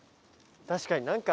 確かに何か。